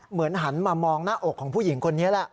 หันมามองหน้าอกของผู้หญิงคนนี้แหละ